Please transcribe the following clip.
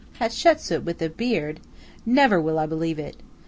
Hatshepsu with a beard! Never will I believe it.